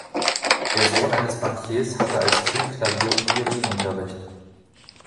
Der Sohn eines Bankiers hatte als Kind Klavier- und Violinunterricht.